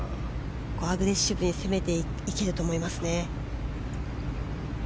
アグレッシブに攻めていけると思いますね。